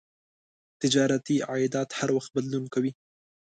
تجارتي عایدات هر وخت بدلون کوي.